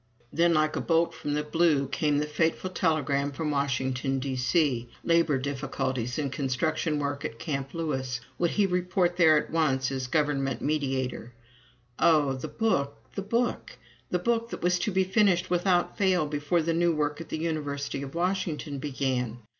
Then, like a bolt from the blue, came the fateful telegram from Washington, D.C. labor difficulties in construction work at Camp Lewis would he report there at once as Government Mediator. Oh! the Book, the Book the Book that was to be finished without fail before the new work at the University of Washington began!